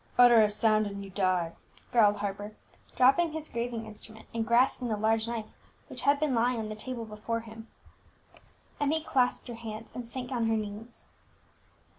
"Utter a sound and you die!" growled Harper, dropping his graving instrument, and grasping the large knife which had been lying open on the table before him. Emmie clasped her hands and sank on her knees.